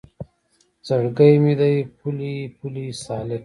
زړګی مې دی پولۍ پولۍ سالکه